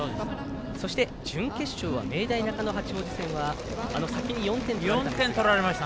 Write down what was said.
そして、準決勝の明大中野八王子戦は先に４点取られたんですが